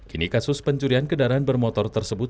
kini kasus pencurian kendaraan bermotor tersebut